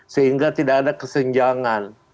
sehingga tidak ada kesenjangan